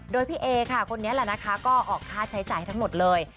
โดยพี่เอค่ะคนนี้แหละนะคะก็ออกค่าใช้จ่ายทั้งหมดเลย